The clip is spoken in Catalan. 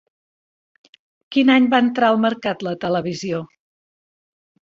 Quin any va entrar al mercat la televisió?